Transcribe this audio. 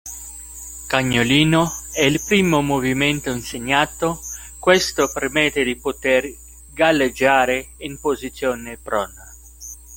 Cagnolino: è il primo movimento insegnato, questo permette di poter galleggiare in posizione prona.